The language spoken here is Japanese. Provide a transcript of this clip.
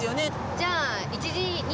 じゃあ。